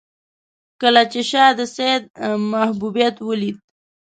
کله چې شاه د سید محبوبیت ولید.